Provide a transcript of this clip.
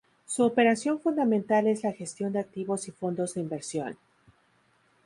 Su operación fundamental es la Gestión de activos y Fondos de inversión.